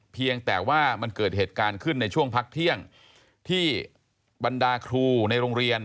เพียงแต่ว่ามันเกิดเหตุการณ์ขึ้นในช่วงพักเที่ยงที่บรรดาครูในโรงเรียน